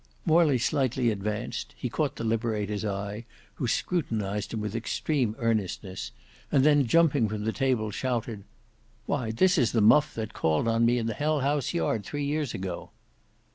Morley slightly advanced, he caught the Liberator's eye, who scrutinized him with extreme earnestness, and then jumping from the table shouted; "Why this is the muff that called on me in Hell house Yard three years ago."